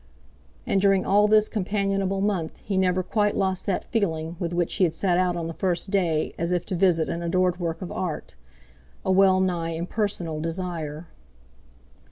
And during all this companionable month he never quite lost that feeling with which he had set out on the first day as if to visit an adored work of art, a well nigh impersonal desire.